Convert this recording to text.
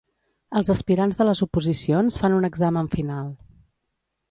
Els aspirants de les oposicions fan un examen final.